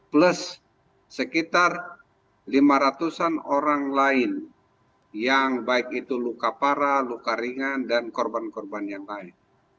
plus sekitar lima ratus an orang lain yang baik itu luka parah luka ringan dan korban korban yang lain